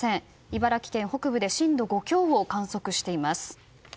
茨城県北部で震度５強を観測しています。